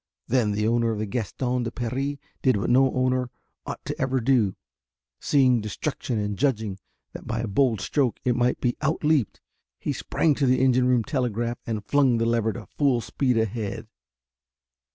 Then the owner of the Gaston de Paris did what no owner ought ever to do: seeing Destruction and judging that by a bold stroke it might be out leaped, he sprang to the engine room telegraph and flung the lever to full speed ahead.